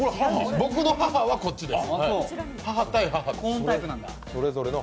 僕の母はこっちです。